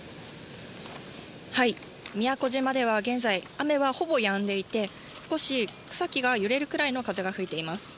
宮古島では現在、雨はほぼやんでいて、少し草木が揺れるくらいの風が吹いています。